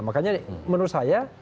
makanya menurut saya